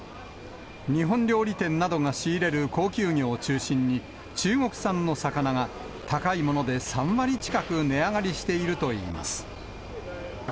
日本料理店などが仕入れる高級魚を中心に、中国産の魚が、高いもので３割近く値上がりしているといいます。